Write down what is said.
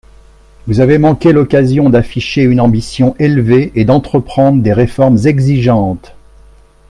Vous avez manqué l’occasion d’afficher une ambition élevée et d’entreprendre des réformes exigeantes.